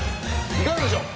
いかがでしょう。